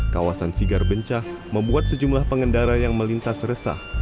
kawasan sigar bencah membuat sejumlah pengendara yang melintas resah